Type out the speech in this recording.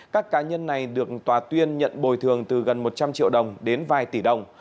các cá nhân này được tòa tuyên nhận bồi thường từ gần một trăm linh triệu đồng đến vài tỷ đồng